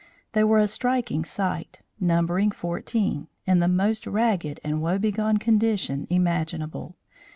They were a striking sight, numbering fourteen, in the most ragged and woebegone condition imaginable.